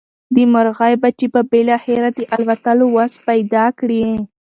د مرغۍ بچي به بالاخره د الوتلو وس پیدا کړي.